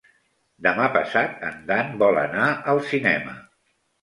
Demà passat en Dan vol anar al cinema.